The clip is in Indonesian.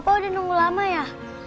oh udah nunggu lama ya